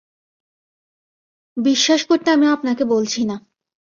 বিশ্বাস করতে আমি আপনাকে বলছি না।